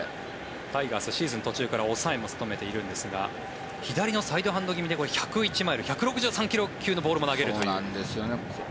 タイガースでシーズン途中から抑えも務めているんですが左のサイドハンド気味で１１１マイル、１６３ｋｍ級のボールも投げるという。